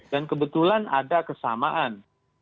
dan kebetulan ada kesamaan